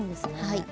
はい。